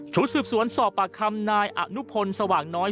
สืบสวนสอบปากคำนายอนุพลสว่างน้อย